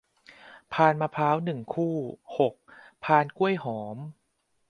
พานมะพร้าว หนึ่ง คู่ หก พานกล้วยหอม